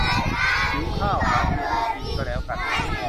หิวข้าว หาเจเล่กินก็แล้วกัน